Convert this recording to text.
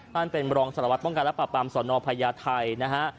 นั่นเป็นมรองศาลวัฒน์ป้องกันรับปรับปรามสวนพญาไทยนะฮะ